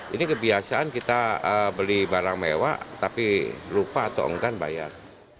ini kebiasaan kita beli barang mewah tapi lupa atau enggan bayar